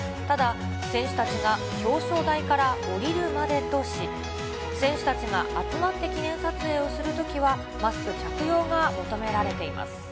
ただ、選手たちが表彰台から下りるまでとし、選手たちが集まって記念撮影をするときは、マスク着用が求められています。